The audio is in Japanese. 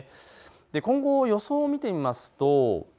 今後の予想を見てみます。